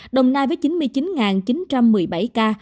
đồng nai với chín mươi chín ca